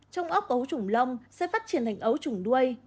trong ốc ấu trủng lông sẽ phát triển thành ấu trủng đuôi